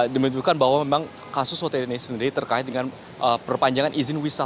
dimimpikan bahwa memang kasus ott ini sendiri terkait dengan perpanjangan izin wisata